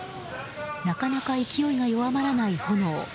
なかなか勢いが弱まらない炎。